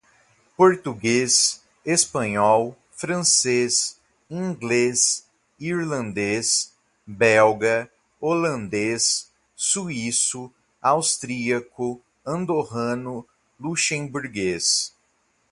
Português, Espanhol, Francês, Inglês, Irlandês, Belga, Holandês, Suíço, Austríaco, Andorrano, Luxemburguês.